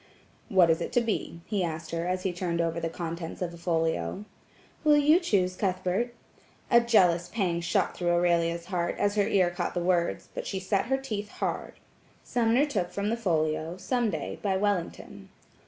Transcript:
"What is it to be?" he asked her as he turned over the contents of a folio. "Will you choose, Cuthbert?" A jealous pang shot through Aurelia's heart, as her ear caught the words, but she set her teeth hard. Sumner took from the folio "Some Day," by Wellington.